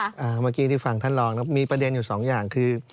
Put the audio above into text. เมื่อกี้ที่ฟังท่านรองนะมีประเด็นอยู่สองอย่างคือ